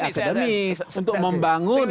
akademis untuk membangun